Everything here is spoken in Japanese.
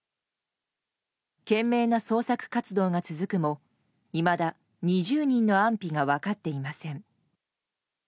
懸命な捜索活動が続くもいまだ２０人の安否が分かっていません。